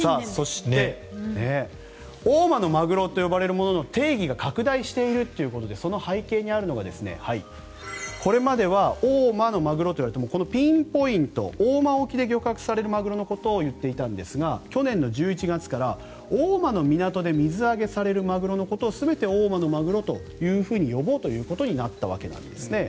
大間のマグロと呼ばれるものの定義が拡大しているということでその背景にあるのがこれまでは大間のマグロといわれたらこのピンポイント大間沖で漁獲されるマグロのことを言っていたんですが去年の１１月から大間の港で水揚げされるマグロのことを全て大間のマグロと呼ぼうということになったわけなんですね。